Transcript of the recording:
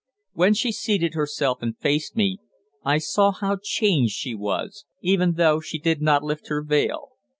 When she seated herself and faced me I saw how changed she was, even though she did not lift her veil.